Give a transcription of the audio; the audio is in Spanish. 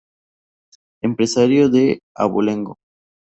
Empresario de Abolengo.